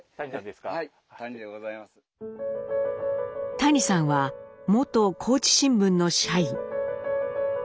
谷さんは元高知新聞の社員。